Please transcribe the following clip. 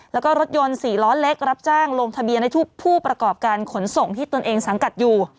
แล้วก็รถยนต์๔ล้อเล็กรับจ้างลงทะเบียนให้ผู้ประกอบการขนส่งที่ตนเองสังกัดอยู่